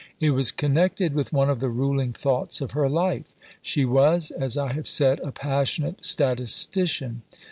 It was connected with one of the ruling thoughts of her life. She was, as I have said, a Passionate Statistician.